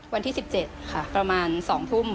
วันที่๑๗ค่ะประมาณ๒ทุ่ม